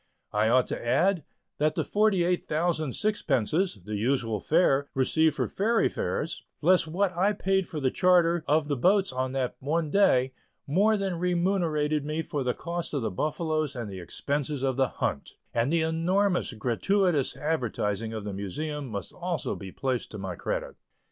I ought to add, that the forty eight thousand sixpences the usual fare received for ferry fares, less what I paid for the charter of the boats on that one day, more than remunerated me for the cost of the buffaloes and the expenses of the "hunt," and the enormous gratuitous advertising of the Museum must also be placed to my credit.